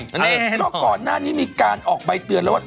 เพราะก่อนหน้านี้มีการออกใบเตือนแล้วว่า